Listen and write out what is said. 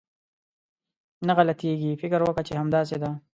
نه غلطېږي، فکر وکه چې همداسې ده.